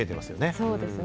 そうですね。